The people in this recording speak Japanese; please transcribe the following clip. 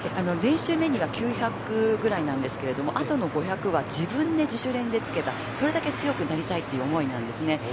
練習メニューは９００くらいなんですけどあとの５００は自分で自主練でつけたそれだけ強くなりたいっていう思いなんですね。